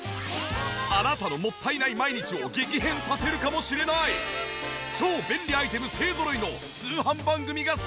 あなたのもったいない毎日を激変させるかもしれない超便利アイテム勢揃いの通販番組がスタート！